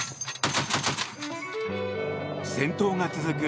戦闘が続く